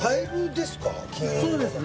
そうです